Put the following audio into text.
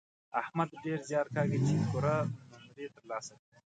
احمد ډېر زیار کاږي چې پوره نومرې تر لاسه کړي.